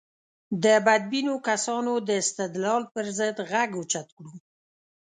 د بدبینو کسانو د استدلال پر ضد غږ اوچت کړو.